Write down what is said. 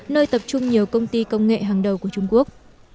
nơi tập trung nhiều công ty công nghệ hàng đầu của trung quốc